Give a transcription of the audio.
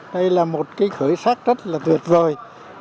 đây là một cái khởi sắc rất là tuyệt vời